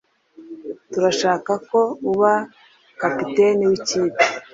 Turashaka ko uba kapiteni wikipe.